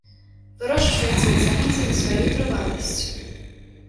Вырошчваецца і цэніцца за сваю трываласць.